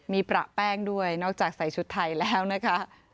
มีประแป้งด้วยนอกจากใส่ชุดไทยแล้วนะคะ